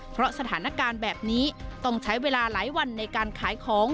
เพราะสถานการณ์แบบนี้ต้องใช้เวลาหลายวันในการขายของ